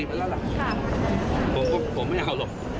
ผมไม่เอาหรอก